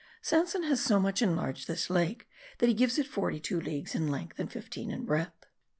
Sanson has so much enlarged this lake, that he gives it forty two leagues in length, and fifteen in breadth.